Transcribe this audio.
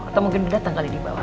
atau mungkin didateng kali dibawah